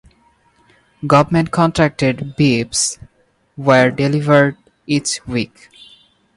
Government-contracted beeves were delivered each week.